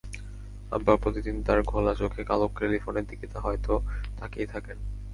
আব্বা প্রতিদিন তার ঘোলা চোখে কালো টেলিফোনের দিকে হয়তো তাকিয়ে থাকেন।